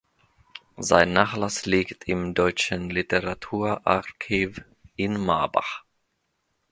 Sein Nachlass liegt im Deutschen Literaturarchiv in Marbach.